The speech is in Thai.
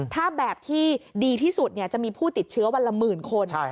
ถ้าแบบที่ดีที่สุดจะมีผู้ติดเชื้อวันละหมื่นคน